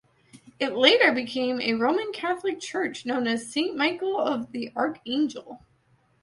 It later became a Roman Catholic church known as "Saint Michael of the Archangel".